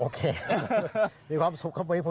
โอเคมีความสุขครับพี่บิน